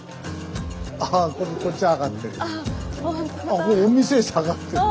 あっお店下がってるわ。